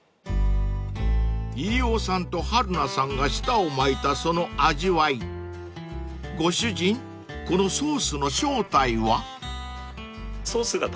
［飯尾さんと春菜さんが舌を巻いたその味わいご主人このソースの正体は？］